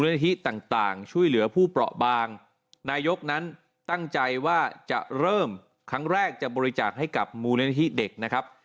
หน้าที่ต่างช่วยเหลือผู้เปราะบางนายกนั้นตั้งใจว่าจะเริ่มครั้งแรกจะบริจาคให้กับมูลนิธิเด็กนะครับ